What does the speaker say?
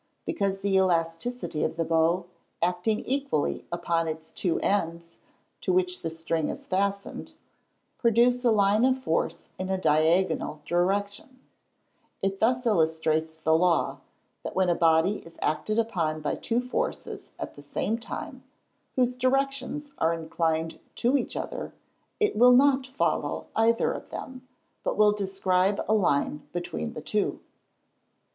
_ Because the elasticity of the bow, acting equally upon its two ends, to which the string is fastened, produce a line of force in a diagonal direction. It thus illustrates the law, that _when a body is acted upon by two forces at the same time, whose directions are inclined to each other, it will not follow either of them, but will describe a line between the two_.